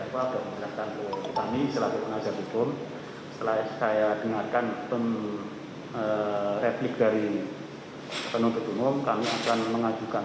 pada pukul sepuluh waktu indonesia bagian barat dengan acara untuk mendengarkan